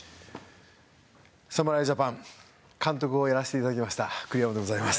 侍ジャパン監督をやらせていただきました栗山でございます。